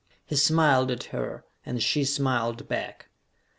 He smiled at her, and she smiled back.